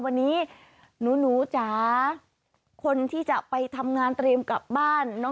วันนี้หนูจ๋าคนที่จะไปทำงานเตรียมกลับบ้าน